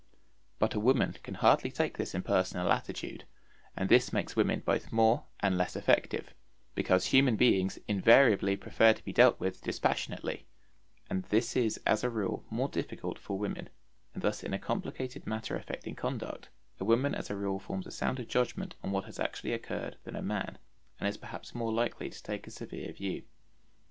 But a woman can hardly take this impersonal attitude; and this makes women both more and less effective, because human beings invariably prefer to be dealt with dispassionately; and this is as a rule more difficult for women; and thus in a complicated matter affecting conduct, a woman as a rule forms a sounder judgment on what has actually occurred than a man, and is perhaps more likely to take a severe view.